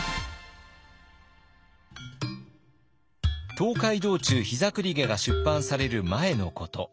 「東海道中膝栗毛」が出版される前のこと。